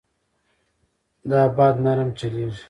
دا باد نرم چلېږي.